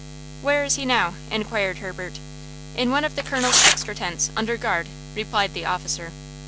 "Where is he now?" inquired Herbert. "In one of the Colonel's extra tents, under guard," replied the officer.